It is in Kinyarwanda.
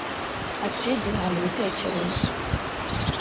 Ati “Duhana ibitekerezo